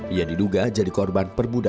ia diduga jadi korban perbudakan modern